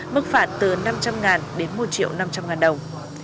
mức phạt từ năm trăm linh đến một triệu năm trăm linh ngàn đồng